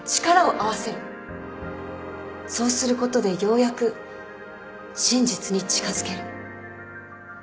そうすることでようやく真実に近づける。